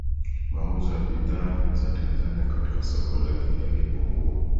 Mauzo ya bidhaa za Tanzania katika soko la India yalipungua